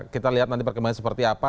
kita lihat nanti perkembangan seperti apa